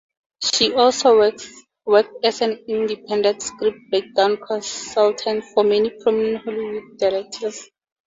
She also worked as an independent script-breakdown consultant for many prominent Hollywood directors.